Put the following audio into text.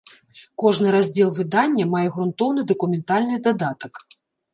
Кожны раздзел выдання мае грунтоўны дакументальны дадатак.